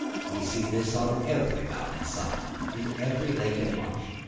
We see this on every mountain summit, in every lake and marsh.